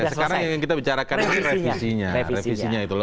sekarang yang kita bicarakan ini revisinya